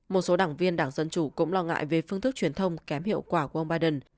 một số đảng viên đảng dân chủ cũng lo ngại về phương thức truyền thông kém hiệu quả của ông biden